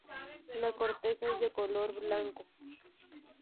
La corteza es de color blanco.